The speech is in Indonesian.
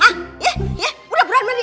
ya ya udah berani berani